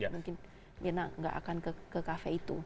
mungkin mirna nggak akan ke cafe